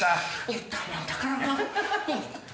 言ったもんだから。